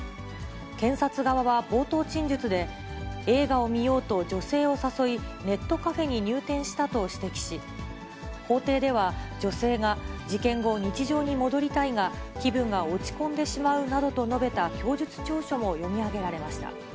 検察側は冒頭陳述で、映画を見ようと女性を誘い、ネットカフェに入店したと指摘し、法廷では女性が事件後、日常に戻りたいが、気分が落ち込んでしまうなどと述べた供述調書も読み上げられました。